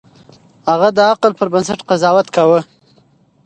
هغه د عقل پر بنسټ قضاوت کاوه.